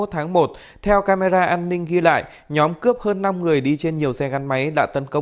hai mươi tháng một theo camera an ninh ghi lại nhóm cướp hơn năm người đi trên nhiều xe gắn máy đã tấn công